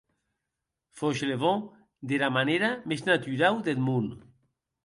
Fauchelevent dera manèra mès naturau deth mon.